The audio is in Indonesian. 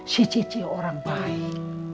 si cici orang baik